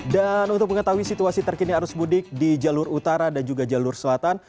dan untuk mengetahui situasi terkini arus mudik di jalur utara dan juga jalur selatan